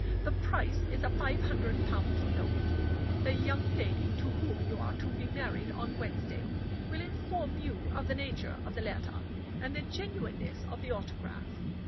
The price is a five hundred pound note. The young lady to whom you are to be married on Wednesday will inform you of the nature of the letter, and the genuineness of the autograph.